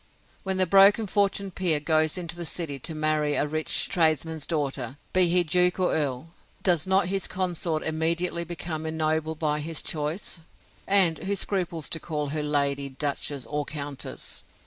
When the broken fortuned peer goes into the city to marry a rich tradesman's daughter, be he duke or earl, does not his consort immediately become ennobled by his choice? and who scruples to call her lady, duchess, or countess?